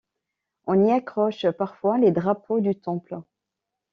On y accroche parfois les drapeaux du temple.